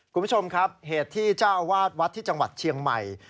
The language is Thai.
คุณผู้ชมครับเหตุที่เจ้าอาวาสวัดที่จังหวัดเชียงใหม่